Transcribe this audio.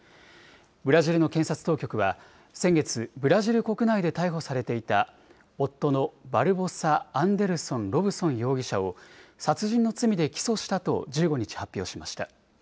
ブラジルの検察当局は先月、ブラジル国内で逮捕されていた夫のバルボサ・アンデルソン・ロブソン容疑者を殺人の罪で起訴したと１５日、発表しました。